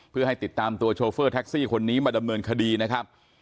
เพื่อให้ติดตามตัวโชเฟอร์แท็กซี่คนนี้มาดำเนินคดีนะครับ